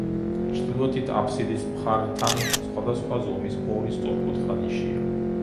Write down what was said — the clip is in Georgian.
ჩრდილოეთით, აფსიდის მხართან, სხვადასხვა ზომის ორი სწორკუთხა ნიშია.